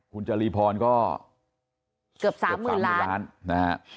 คุณจารีพรก็เกือบ๓๐๐๐๐ล้าน